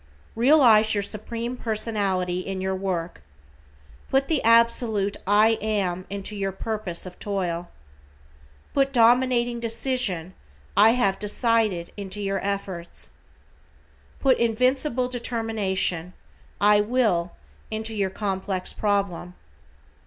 Realize your Supreme Personality in your work. Put the absolute "I AM," into your purpose of toil. Put dominating decision "I HAVE DECIDED," into your efforts. Put invincible determination, "I WILL," into your complex problem.